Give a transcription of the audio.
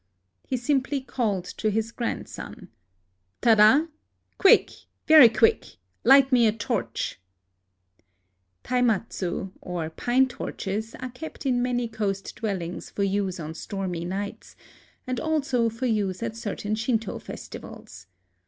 He sim ply called to his grandson :— A LIVING GOD 21 " Tada !— quick, — very quick !... Liglit me a torcli." Taimatsic, or pine torches, are kept in many coast dwellings for use on stormy nights, and also for use at certain Shinto festivals.